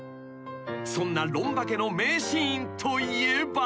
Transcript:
［そんな『ロンバケ』の名シーンといえば］